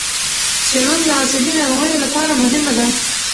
څېړنه د عصبي ناروغیو لپاره مهمه ده.